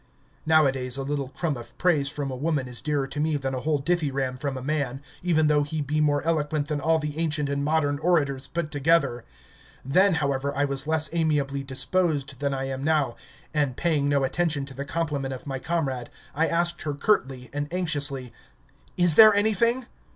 Nowadays a little crumb of praise from a woman is dearer to me than a whole dithyramb from a man, even though he be more eloquent than all the ancient and modern orators put together. Then, however, I was less amiably disposed than I am now, and, paying no attention to the compliment of my comrade, I asked her curtly and anxiously: "Is there anything?"